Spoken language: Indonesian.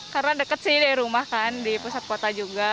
karena dekat sih dari rumah kan di pusat kota juga